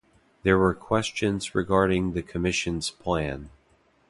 There were questions regarding the commission's plan.